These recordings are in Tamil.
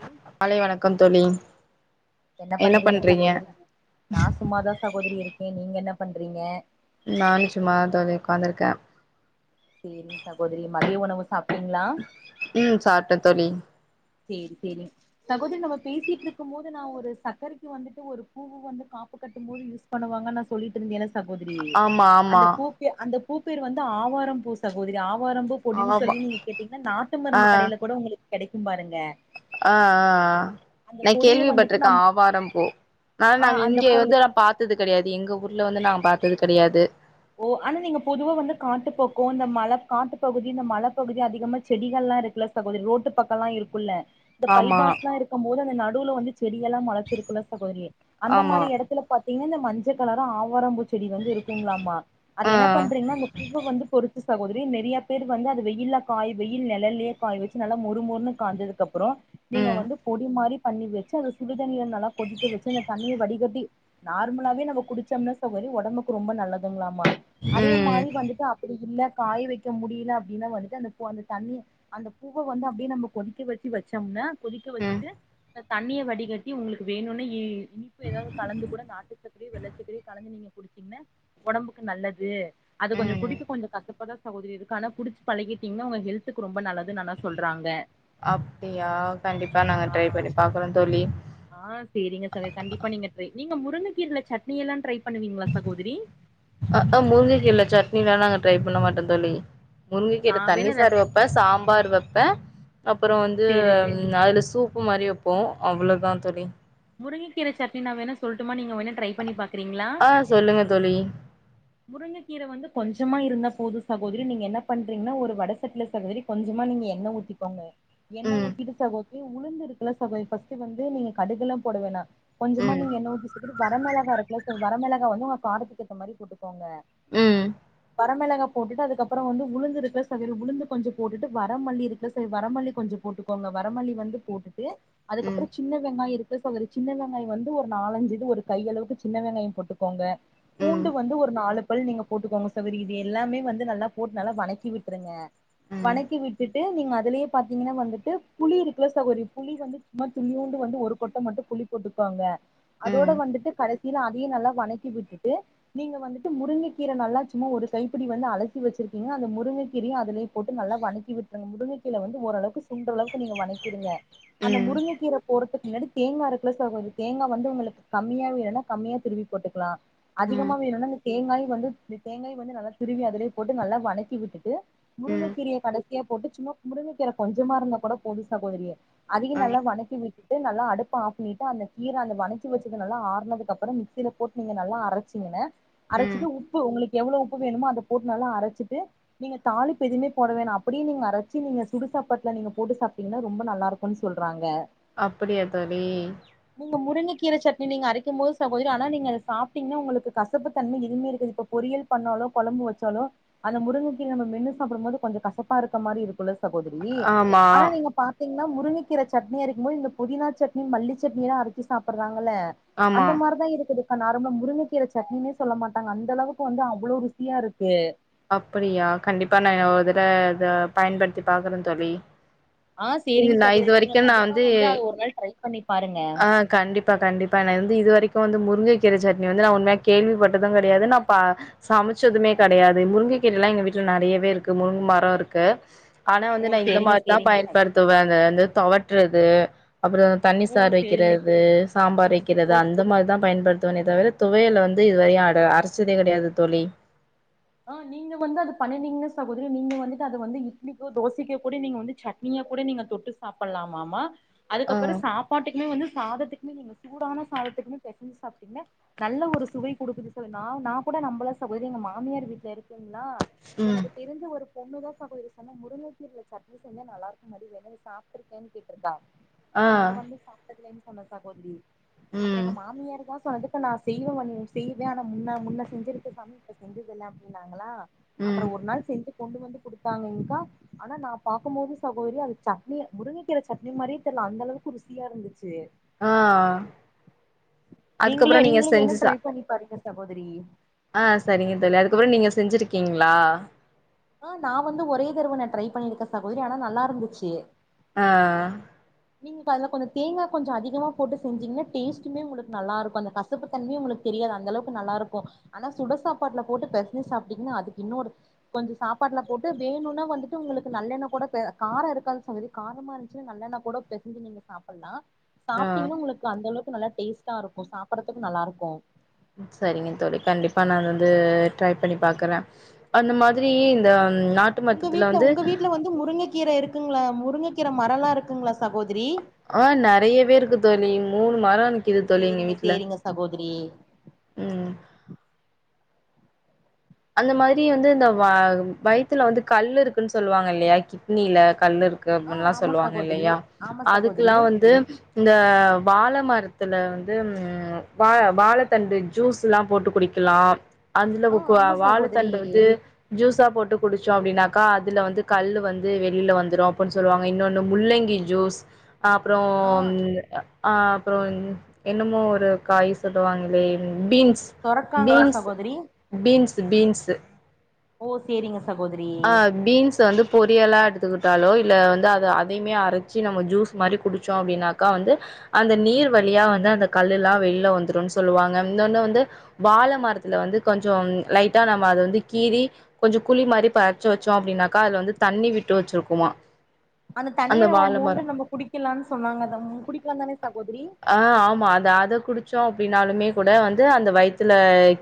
ஏ காலை வணக்கம் தோழி என்ன பண்றீங்க சகோதரி நா சும்மாதா சகோதரி இருக்கே நீங்க என்ன பண்றீங்க நானு சும்மா தா தோழி ஒக்காந்துருக்க சேரிங் சகோதரி மதிய உணவு சாப்ட்டீங்களா ம் சாப்ட்ட தோழி சேரி சேரி சகோதரி நம்ம பேசீட்ருக்கும் போது நா ஒரு சக்கரைக்கு வந்துட்டு ஒரு பூவு வந்து காப்பு கட்டும் போது யூஸ் பண்ணுவாங்கன் நா சொல்லிட்டுயிருந்தியல்ல சகோதரி ஆமா ஆமா அந்த பூப்பிய அந்த பூப்பேர் வந்து ஆவாரம்பூ சகோதரி ஆவாரம்பூ பொடின் ஆமா சொல்லி நீங்க கேட்டிங்ன்னா நாட்டு ஆ மருந்து கடையில கூட உங்களுக்கு கொடைக்கு பாருங்க அ அ அ அந்த நா பொடிய வந்துட்டு கேள்விப்பட்ருக்க நம் ஆவாரம் பூ அனா ஆ நாங்க அந்த இங்கே பொடி வந்து நா பாக் த்தது கெடையாது எங்க ஊர்ல வந்து நாங்க பாத்தது கெடையாது ஓ அனா நீங்க பொதுவா வந்து காட்டுப்போக்கோ இந்த மல காட்டு பகுதி இந்த மலப்பகுதி அதிகமா செடிகள்லா இருக்குல சகோதரி ரோட்டு பக்கல்லா இருக்குல்ல இந்த ஆமா பைபாஸ்லா இருக்கும் போது அந்த நடுவுல வந்து செடி எல்லா மொளச்சிருக்குல்ல சகோதரி அந்த ஆமா மாரி எடத்துல பாத்திங்ன்னா இந்த மஞ்ச கலரா ஆவாரம்பூ செடில வந்து இருக்குங்ளாமா அது ஆ என்ன பண்றீங்ன்னா [unintelligible] பூவ வந்து பொறிச்சு சகோதரி நெறயா பேர் வந்து அது வெயில்ல காய்வை நெலலயே காய் வை நல்லா மொறு மொறுன்னு காஞ்சதுக்கப்பறோ நீங்க ம் வந்து பொடி மாரி பண்ணி வெச்சு அத சுடு தண்ணீல நல்லா கொதிக்க வெச்சு அந்த தண்ணிய வடிகட்டி நார்மலாவே நம்ம குடிச்சம்ன்னா சகோதரி ஒடம்புக்கு ரொம்ப நல்லதுங்ளா ம அதே ம் மாரி வந்துட்டு அப்படி இல்ல காய வெக்க முடில அப்டின்னா வந்துட்டு அந்த போ அந்த தண்ணிய அந்த பூவ வந்து அப்டே நம்ப கொதிக்க வெச்சு வெச்சம்ன்னா கொதிக்க ம் வச்சுட்டு அ தண்ணிய வடிகட்டி உங்ளுக்கு வேணுன்னே இ இனிப்பு எதாவது கலந்து கூட நாட்டு சக் [unintelligible] வெள்ளச்சக்கரயூ கலந்து நீங்க குடிச்சிங்ன்னா ஒடம்புக்கு நல்லது அது கொஞ்சோ ம் குடிக்க கொஞ்சோ கசப்பாதா சகோதரி இருக்கு அனா குடிச்சு பழகிட்டீங்ன்னா உங்க ஹெல்த்துக்கு ரொம்ப நல்லதுன் அனா சொல்றாங்க அப்டியா கண்டிப்பா நாங்க ஆ ட்ரை பண்ணி பாக்கறோ தோழி ஆ சேரிங்க [unintelligible] கண்டிப்பா நீங்க ட்ரை நீங்க முருங்கக்கீர்ல சட்னி எல்லா ட்ரை பண்ணுவீங்களா சகோதரி அ அ முருங்க கீரல சட்னிலலா நாங்க ட்ரை பண்ண மாட்டோ தோழி முருங்க ஆ கீர தண்ணி வேணா சார் ரஸ் வெப் இப்ப சாம்பார் வெப்ப அப்பறோ வந்து சேரி சேரி அதுல சூ ப்பு மாரி வெப்போ அவ்ளோதா தோழி முருங்கக்கீர சட்னினா வேணா சொல்ட்டுமா நீங்க வேணா ட்ரை பண்ணி பாக்கறீங்களா ஆ சொல்லுங்க தோழி முருங்க கீர வந்து கொஞ்சமா இருந்தா போது சகோதரி நீங்க என்ன பண்றிங்ன்னா ஒரு வட சட்டில சகோதரி கொஞ்சமா நீங்க எண்ண ஊத்திகொங்க எண்ண ம் ஊத்திட்டு சகோதரி உளுந்து இருக்குல்ல சகோ பர்ஸ்ட் வந்து நீங்க கடுகுலா போட வேணா கொஞ்சமா ம் நீங்க எண்ண ஊத்தி [inaudible] வரமெளகா இருக்குல்ல செரி வரமெளகா வந்து உங்க காரத்துக்கு ஏத்த மாரி போட்டுக்கோங்க உம் வரமிளகா போட்டுட்டு அதுக்கப்புறோ வந்து உளுந்து இருக்குல சாமி உளுந்து கொஞ்ச போட்டுட்டு வர மல்லி இருக்குல சாமி வர மல்லி கொஞ்ச போட்டு கோங்க வரமல்லி வந்து போட்டுட்டு ம் அதுக்கப்புறோ சின்ன வெங்காய இருக்குல சாமி சின்ன வெங்காய வந்து ஒரு நாலஞ்சு இது வருத் கையளவுக்கு சின்ன வெங்காய போட்டுக்கோங்க ம் பூண்டு வந்து ஒர் [unintelligible] நீங்க போட்டுக்கோங்க சவதி இது எல்லாமே வந்து நல்லா போட்டு நல்லா வணக்கி விட்ருங்க ம் வணக்கி விட்டுட் து நீங்க அதுலயே பாத்தீங்கனா வந்துட்டு புளி இருக்குல சகோரி புளி வந்து சும்மா துளியூண்டு வந்து ஒரு கொட்ட மட்டு புளிப் போட்டுக்கோங்க அதோட ம் வந்துட்டு கடைசியில அதையு நல்லா வணக்கி விட்டுட்டு நீங்க வந்துட் டு முருங்கக்கீர நல்லா சும்மா ஒரு கைப்பிடி வந்து அலசி வெச்சிருக்கீங்க அந்த முருங்கக்கீரையு அதுலயே போட்டு நல்லா வணக்கி விட் அந்த முருங்கக்கீர வந்து ஓரளவுக்கு சுன்ட்ற அளவுக்கு நீங்க வணக்கிடுங்க அந்த ம் முருங்கக்கீர போட்றதுக் முன்னாடி தேங்கா இருக்குல சகோதிரி தேங்கா வந்து உங்குளுக் கம்மியா வேணுன்னா கம்மியா திருவி போட்டுக்லா அதிகமா வேணுனா அந்த தேங்காயு வந்து தேங்காயு வந்து நல்லா திருவி அதுலயே போட்டு நல்லா வணக்கிவிட்டுட்டு ம் ம் முருங்கக்கீரைய கடைசியா போட்டு சும்மா முருங்கக்கீர கொஞ்சமா இருந்தா கூட போது சகோதிரியே அதியு ஆ நல்லா வனக்கி விட்டுட்டு நல்லா அடுப்ப ஆஃப் பண்ணிட்டு அந்த கீர அந்த வனச்சி வெச்சது நல்லா ஆர்னதுக்கப்பறம் மிக்சில போட் நீங்க நல்லா அரச்சிடுங்க ம் அரச்சிட்டு உப்பு உங்குளுக் எவ்ளோ உப்பு வேணுமோ அத போட்டு நல்லா அரச்சிட்டு நீங்க தாளிப்பு எதுமே போட வேணா அப்டியே நீங்க அரச்சி நீங்க சுடு சாப்பாட்ல நீங்க போட்டு சாப்ட்டீங்கனா ரொம்ப நல்லாருக் குன் சொல்றாங்க அப்டியா தோழி உங்க முருங்க்கீர சட்னி நீங்க அரைக்கும் போது சகோதிரி ஆனா நீங்க அத சாப்டிங்னா உங்குளுக்கு கசப்பு தன்ம எதுமே இருக்காது இப்ப பொறியல் பண்ணாலோ கொழம்பு வெச்சாலோ அந்த முருங்கக்கீர நம்மென்னு சாப்டம் போது கொஞ்ச கசப்பா இருக்க மாரி இருக்குல்ல சகோதிரி ஆமா ஆனா நீங்க பாத் பாத்தீங்னா முருங்கக்கீர சட்னி அரைக்கும் போது இந்த பொதினா சட்னி மல்லி சட்னில்லா அரச்சி சாப்றாங்கல்ல ஆமா அந்த மாரிதா இருக்குதுக்கா நார்மலா முருங்கக்கீர சட்னினே சொல்ல மாட்டாங்க அந்த அளவுக் வந்து அவ்ளோ ருசியா இருக்கு அப்படியா கண்டிப்பா நா ஒரு தட இத பயன்படுத்தி பாக்கறந் தோழி ஆ இது சேரிங் நா இது சகோதிரி நீங்க வரைக்கு நா கண்டிப்பா வந்து அது ஒரு நாள் ட்ரை பண்ணி பாருங்க ஆ கண்டிப்பா கண்டிப்பா நா வந்து இது வரைக்கு வந்து முருங்கை கீர சட்னி வந்து நா உண்மையா கேள்விப்பட்டது கெடையாது நா பா சமச்சதுமே கெடையாது முருங்கைக்கீரைலா எங்க வீட்ல நெறையவே இருக்கு முருங் மரோ இருக்கு ஆனா வந்து ஓ நா இந்த சேரிங்க மார்தா சேரிங்க ச பயன்படுத்துவே அத வந்து தொவட்றது அப்புறம் தண்ணி ஓ சார் சேரிங்க வெக்கறது சாம்பார் ஓ வெக்கறது அந்த மார் தா பயன்படுத் துவனே தவிர துவையல வந்து இதுவரையு அட அரச்சதே கெடையாது தோழி ஆ நீங்க வந்து அது பண்ணிங்கனா சகோதிரி நீங்க வந்துட் அது வந்து இட்லிக்கோ தோசைக்கோ கூட நீங்க வந்து சட் னீயா கூட நீங்க தொட்டு சாப்பல்லாமாமா ஆ, அதுக்கப்பரோ சாப் பாட்டுக்குமே வந்து சாதத்துக்குமே நீங்க சூடான சாதத்துக்குமே பெசஞ்சு சாப்ட்டீங்ன நல்ல ஒரு சுவை குடுக்குது சொல்லி நா நா கூட நம்பள சகோதரி எங்க மாமியார் வீட் தெரிதுங்ளா ம், எனக்குப் தெரிஞ்சு ஒரு பொண்ணுதா சகோதிரி சொன்ன முருங்கக்கீரில சட்னி செஞ்சா நல்லாருக்குமாடி வேண நீ சாப்ட்ருக்யான் கேட்ருக்கா ஆ, நா வந்து சாப்ட்டதிலேன் சொன்ன சகோதிரி அப்பற எங்க ம், மாமியார் தா [unintelligible] அதுக்கு நா செய்வே வந் செய்வே ஆனா முன்ன முன்ன செஞ்சிருக்க சாமி இப்ப செஞ்சதில்ல அப்டின்னாங்களா அப்புற ம், ஒரு நாள் செஞ்சு கொண்டு வந்து குடுத்தாங்கங்கா ஆனா நா பாக்கும் போது சகோதிரி அது சட்னி முருங்கக்கீர சட்னி மாரியே தெர்ல அந்த அளவுக்கு ருசியா இருந்துச்சு ஆ. நீங்களு அதுக்கப்புறம் நீங்க நீங்களும் வேணுனா செஞ்சு சா ட்ரை பண்ணி பாருங்க சகோதிரி ஆ செரிங்க தோழி அதுக்கப்புறோ நீங்க செஞ்சிருக்கீங்ளா ஆ நா வந்து ஒரே தரவ நா ட்ரை பண்ணிருக்கே சகோதிரி ஆனா நல்லா இருந்துச்சு ஆ நீங் இப்ப அதுல கொஞ்ச தேங்கா கொஞ்ச அதிகமா போட்டு செஞ்சீங்கனா டேஸ்ட்டுமே உங்களுக்கு நல்லா இருக்கு அந்த கஸ் சசப்பு தன்மையே உங்குளுக் தெரியாது அந்த அளவுக்கு நல்லாருக்கு ஆனா சுடசாப்பாட்ல போட்டு பெசஞ்சு சாப்ட்டீங்னா அதுக்கு இன்னொரு கொஞ்ச சாப்பாட்ல போட்டு வேணுனா வந்துட்டு உங்களுக்கு நல்லெண்ண கூட பே கார இருக்காது சகோரி காரமா இருஞ்சுனா நல்லெண்ண கூட பெசஞ்சு நீங்க சாப்பலா ஆ சாப்டீங்கினா உங்களுக் இல்ல அந்த அளவுக்கு நல்லா டேஸ்டா இருக்கு சாப்பற்றதுக்கு நல்லார்க்கு சரிங்க தோழி கண்டிப்பா நானு வந்து ட்ரை பண்ணி பாக்கற அந்த மாதிரி இந்த நாட் உங்க வீட்ல உங்க வீட்ல வந்து முருங்க கீர இருக்குங்ளா முருங்க கீர மரலா இருக்குங்ளா சகோதரி ஆ நெறையவே இருக்கு தோழி மூணு மர சேரிங்க சேரிங்க சகோதரி ம் அந்த மாதிரி வந்து இந்த வ வயத்துல வந்து கல்லு இருக்குன் சொல்லுவாங்க இல்லையா கிட்னியில கல்லு இருக் ஆ கப்புன்ல ஆமா சொல்லுவாங்க சகோதரி இல்லையா ஆமா அதுக்கிலா சகோதரி வந்து இந்த வாழ மர்த்தில வந்து வ வாழத்தண்டு ஜூஸ்லா போட்டு குடி கிலாம் அந்துல ஆ புக்கு ஆமா வாழ சகோதரி தண்டு வந்து ஜூஸா போட்டு குடிச்சோ அப்டின்னாக்கா அதுல வந்து கல்லு வந்து வெளியில வந்துரு அப்புன் சொல்லுவாங்க இன்னொன்னு முள்ளங்கி ஜூஸ் அப்புறம் ஆ ஆ அப்புறம் என்னமோ ஒரு காய் சொல்லுவாங்ளே பீன்ஸ் சொரக்காங்ளா பீன்ஸ் சகோதரி பீன்ஸ் பீன்ஸு ஓ செரிங்க சகோதரி ஆ பீன்ஸ் வந்து பொரியலா எடுத்துக்கிட்டாலோ இல்ல வந்து அத அதைய்மே அரைச்சி நம்ம ஜூஸ் மாரி குடிச்சோ அப்டின்னாக்கா வந்து அந்த நீர் வழியா வந்து அந்த கல்லுலா வெளியில வந்துருன் சொல்லுவாங்க இன்னொன்னு வந்து வாழ மரத்துல வந்து கொஞ்சம் லைட்டா நம்ம வந்து கீறி கொஞ்ச குழி மாரி இப்ப அரைச்சு வச்சோ அப்டின்னாக்கா அதுல வந்து தண்ணி விட்டு வச்சிருக்குமா அந்த தண்ணிய நம்ம வாழ மோண்டு மரோ நம்ப குடிக்கலான் சொன்னாங்க அத குடிக்கலா தானே சகோதரி ஆ ஆமா அத அத குடிச்சோ அப்டின்னாலுமே கூட வந்து அந்த வயித்துல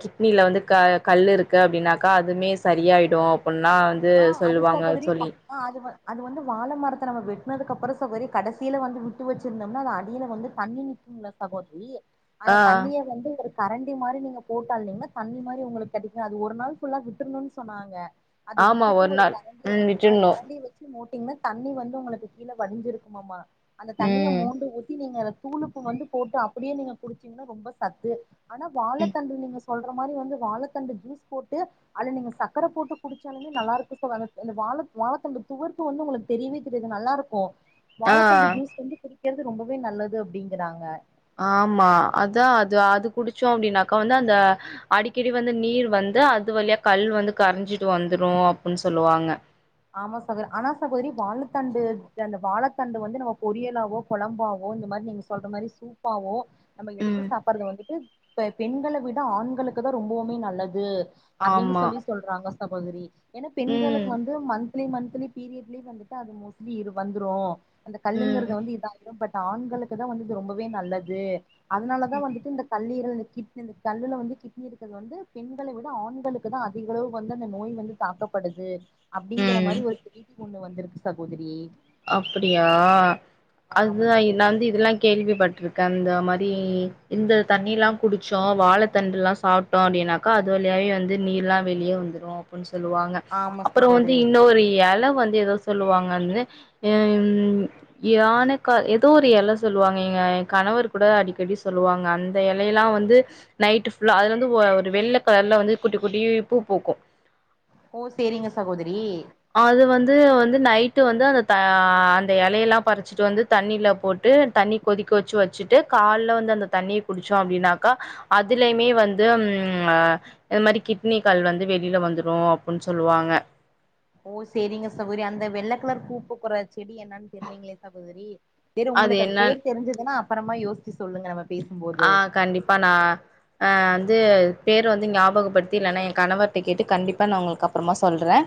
கிட்னில வந்து க கல் இருக்கு அப்டின்னாக்கா அதுமே சரியாயிடு புன்னா வந்து ஆ அது சொல்லுவாங்க சகோதரி வ தோழி ஆ அது வ அது வந்து வாழ மரத்த நம்ம வெட்டனதுக்கு அப்புற சகோதரி கடைசியில வந்து விட்டு வச்சிருந்தோம்னா அது அடியில வந்து தண்ணி நிக்கும்ல சகோதரி ஆ அந்த தண்ணிய வந்து ஒரு கரண்டி மாரி நீங்க போட்டால் நிம்ம தண்ணி மாரி உங்களுக்கு கிடைக்கு அது ஒரு நாள் ஃபுல்லா விட்ருனுன் சொன்னாங்க அத ஆமா விட்டுட்டு ஒரு நாள் கரண்டிய ம் அ விட்டுர்ணு கரண்டிய வச் முட்டீங்னா தண்ணி வந்து உங்களுக்கு கீழ வடிஞ்சிருக்குமாமா அந்த தண்ணிய ம் மோண்டு ஊத்தி நீங்க அத தூள் உப்பு வந்து போட்டு அப்பிடியே நீங்க குடிச்சீங்னா ரொம்ப சத்து ஆனா வாழத்தண்டு நீங்க சொல்ற மாதிரி வந்து வாழத்தண்டு ஜூஸ் போட்டு அது நீங்க சக்கர போட்டு குடிச்சாலுமே நல்லா இருக்கு சகோ அந்த அந்த வாழ வாழத்தண்டு துவர்ப்பு வந்து உங்களுக்கு தெரியவே தெரியாது நல்லாருக்கு ஆ வாழத்தண்டு ஜூஸ் வந்து குடிக்கிறது ரொம்பவே நல்லது அப்டிங்கறாங்க ஆமா அதா அது அது குடிச்சோ அப்டின்னாக்கா வந்து அந்த அடிக்கடி வந்து நீர் வந்து அது வழியா கல் வந்து கரைஞ்சிட்டு வந்துரு அப்டின் சொல்லுவாங்க ஆமா சகோ ஆனா சகோதரி வாழத்தண்டு இது அந்த வாழத்தண்டு வந்து நம்ம பொரியலாவோ குழம்பாவோ இந்த மாரி நீங்க சொல்ற மாரி சூப்பாவு நம்ம எடுத்து ம் சாப்பற்றது வந்துட்டு இப்ப பெண்கள விட ஆண்களுக்கு தா ரொம்பவுமே நல்லது அப்டின் ஆமா சொல்லி சொல்றாங்க சகோதரி எனா ம் பெண்களுக்கு வந்து மந்த்லி மந்த்லி பீரியட்லே வந்துட்டு அது மோஸ்லி இது வந்துரு அந்த ம் கல்லுங்கிறது வந்து இதா பட் ஆண்களுக்கு தா வந்திது ரொம்பவே நல்லது அதனாலதா வந்துட்டு இந்த கல்லீரல் இந்த கிட்டு கல்லுல வந்து கிட்னி இருக்கிறது வந்து பெண்களை விட ஆண்களுக்கு தா அதிக அளவு வந்து அந்த நோய் வந்து தாக்கப்படுது அப்டிங்கிற ம் மாரி ஒரு செய்தி ஒண்ணு வந்திருக்கு சகோதரி அப்டியா ஆ ஆமா அதுதா நா சகோதரி வந்து இதெல்லா கேள்விப்பட்ருக் கந்த மாரி இந்த தண்ணில்லா குடிச்சோ வாழ தண்டுல்லா சாப் ட்டோ அப்டின்னாக்கா அது வழியாவே வந்து நீர்லா வெளியே வந்துரு அப்டின் சொல்லுவாங்க ஆமா அப்பறோ வந்து சகோதரி இன்னொரு எல வந்து எதோ சொல்லுவாங்க வந்து ம் யானேக்க எதோ ஒரு எல சொல்லுவாங்க எங்க கணவர் கூட அடிக்கடி சொல்லுவாங்க அந் த எலையெல்லா வந்து நைட்டு ஃபுல்லா அதுலந்து ஒ ஒரு வெள்ள கலர்ல வந்து குட்டி குட்டி பூ பூக்கு ஓ செரிங்க சகோதரி அது வந்து வந்து நைட்டு வந்து அந்த த அந்த எலையெல்லா பறிச்சிட்டு வந்து தண்ணில போட்டு தண்ணி கொதிக்க வச்சு வச்சுட்டு கால்ல வந்து அந்த தண்ணிய குடிச்சோ அப்டின்னாக்கா அதுலயுமே வந்து ம் அ இந் மாரி கிட்னி கல் வந்து வெளியில வந்துரு அப்டின் சொல்லுவாங்க ஓ செரிங்க சகோதரி அந்த வெள்ளக் கலர் பூ பூக்குற செடி என்னன்னு தெரியலீங்ளே சகோதரி சரி உங்களுக்கு அது பேர் தெரிஞ்சுதுன்னா அப்பறமா யோசிச்சு சொல்லுங்க நம்ம ஆ பேசும்போது கண்டிப்பா நா ஆ வந்து பேர வந்து ஞாபகப்படுத்தி இல்லன்னா எ கணவர்ட்ட கேட்டு கண்டிப்பா நா உங்களுக்கு அப்புறமா சொல்றே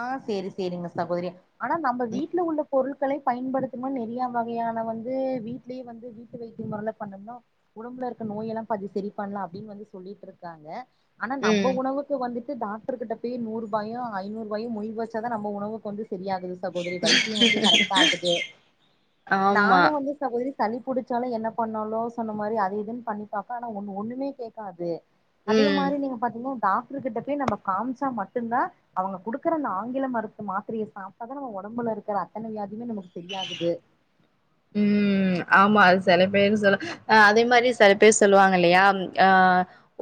ஆ சேரி சேரிங்க சகோதரிய ஆனா நம்ம வீட்ல உள்ள பொருள்களை பயன்படுத்தும்போ நெறையா வகையான வந்து வீட ட்லே வந்து வீட்டு வைத்திய முறல்லா பண்ணம்னா உடம்புல இருக்க நோய் எல்லா பாதி சரி பண்லா அப்டின்னு வந்து சொல்லிட்டுருக்காங்க ஆனா நம்ப ம் உணவுக்கு வந்துட்டு டாக்டர்கிட்ட போயி நூ ரூபாயு ஐநூ றுவாயு மொய் வச்சாதா நம்ப உணவுக்கு வந்து சரியாகுது ச சகோதரி வைத்தியோ வந்து கரெக்ட் ஆகுது ஆமா நானு வந்து சகோதரி சளி புடுச்சாலு என்ன பண்ணாலு சொன்ன மாரி அது இதுன்னு பண்ணி பாப்ப ஆனா ஒன்னு ஒன்னுமே கேக்காது அதே ம் மாரி நீங்க பாத்தீங்னா டாக்டர் கிட்ட போயி நம்ம காம்சா மட்டுந்தா அவங்க குடுக் குற அந்த ஆங்கில மருந்து மாத்தரய சாப்ட்டாதா நம்ம ஒடம்புல இருக்குற அத்தன வியாதியுமே நமக்கு சரியாகுது ம் ஆமா அது செல பேரு சொல் ஆ அதே மாரி செல பேர் சொல்லுவாங்கலையா ம் ஆ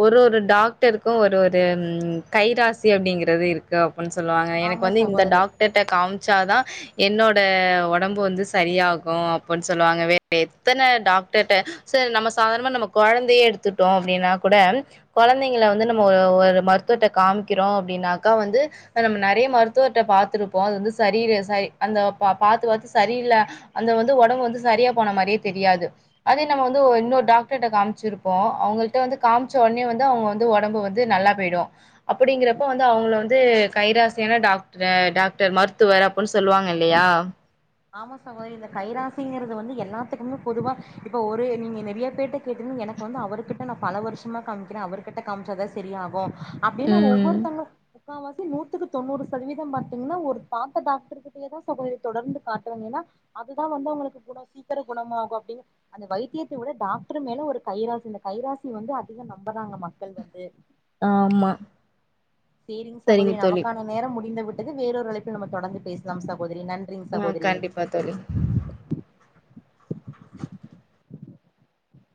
ஒரு ஒரு டாக்டருக்கு ஒரு ஒரு ம் கைராசி அப்டிங்கறது இரு க்கு அப்டினு சொல்லுவாங்க எனக்கு ஆமா வந்து இந்த சகோதரி டாக் டர்ட்ட காமிச்சாதா என்னோட ஒடம்பு வந்து சரியா கு அப்பன்னு சொல்லுவாங்க வே [inaudible] எத்தன டாக்டர்ட்ட சோ நம்ம சாதாரணமா நம்ம கொழந்தயே எடுத் த்துட்டோ அப்டின்னா கூட கொழந்தைங்கள வந்து நம்ம ஒ ஒரு மருத்துவர்ட்ட காம்க்கிறோ அப்டின்னாக்கா வந்து நம்ம நெறய மருத்துவர்ட்ட பாத்துருப்போ அது வந்து சரியில சரி அந்த பா பாத்து பாத்து சரியில்ல அந்த வந்து ஒடம்பு வந்து சரியா போன மாரியே தெரியாது அதே நம்ம வந்து இன்னொர் டாக்டர்ட காமிச்சுருப்போ அவுங்க கிட்ட வந்து காமிச்ச ஒட்னே வந்து அவுங்க வந்து ஒடம்பு வந்து நல்லா போய்டோ அப்புடிங்கறப்ப வந்து அவுங்கள வந்து கைராசியான டாக்டரு டாக்டர் மருத்துவர் அ ப்புட்னு சொல்லுவாங்லையா ஆமா சகோதரி இந்த கைராசிங்கறது வந்து எல்லாத்துக்குமே பொதுவா இப்ப ஒரு நீங்க நெறிய பேர்ட கேட்டன் என இப்போ வந்து அவர்கிட்ட நா பல வருஷமா காமிக்கிற அவர்கிட்ட காமிச்சதா செரியாகு அப்டின்னு ம் ஒவ்வொருத்தங்க முக்காவாசி நூத்துக்கு தொண்ணூறு சதவீதோ பாத்தீங்ன்னா ஒரு பாத்த டாக்டரு கிட்டயேதா சோகோ வருது தொடர்ந்து கா போனீன்னா அதுதா வந்து அவங்களுக்கு குணோ சீக்கிரோ குணமாகு அப்டின்னு அந்த வைத்தியத்த வுட டாக்ட்ரு மேல ஒரு கைராசி அந்த கைராசி வந்து அதிகோ நம்புறாங்க மக்கள் வந்து ஆம்மா சேரிங் சகோதரி நமக்கான நேரம் முடிந்த விட்டது வேறொரு அழைப்பில் நம்ம தொடர்ந்து பேசலாம் சகோதிரி நன் ம் கண்டிப்பா தோழி